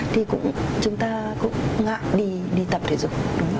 thì chúng ta cũng ngạc đi tập thể dục